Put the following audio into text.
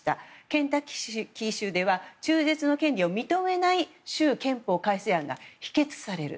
ケンタッキー州では中絶の権利を認めない州憲法改正案が否決される。